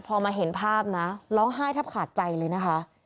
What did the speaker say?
พอมาเห็นภาพนะร้องไห้แทบขาดใจเลยนะคะ